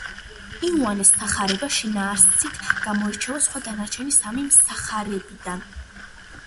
იოანეს სახარება შინაარსით გამოირჩევა სხვა დანარჩენი სამი სახარებიდან.